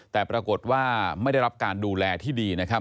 แต่ปรากฏว่าไม่ได้รับการดูแลที่ดีนะครับ